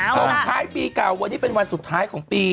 ส่งท้ายปีเก่าวันนี้เป็นวันสุดท้ายของปี